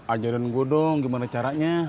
ajarin gue dong gimana caranya